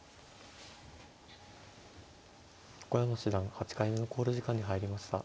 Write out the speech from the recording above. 横山七段８回目の考慮時間に入りました。